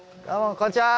こんにちは。